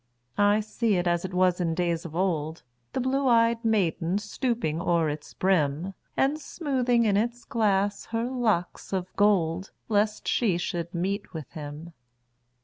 I see it as it was in days of old, The blue ey'd maiden stooping o'er its brim, And smoothing in its glass her locks of gold, Lest she should meet with him.